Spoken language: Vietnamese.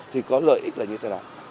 thì có lợi ích là như thế nào